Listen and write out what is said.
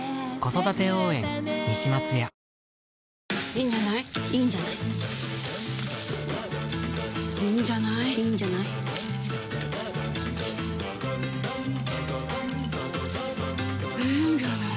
いいんじゃない？いいんじゃない？いいんじゃない？いいんじゃない？いいんじゃない。